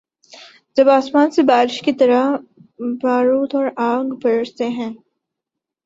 جب آسمان سے بارش کی طرح بارود اور آگ‘ برستے ہیں۔